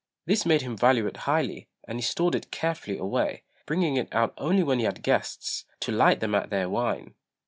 This made him value it highly, and he stored it carefully away, bringing it out only when he had guests, to light them at their wine.